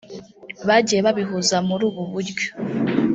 bagiye babihuza muri ubu buryo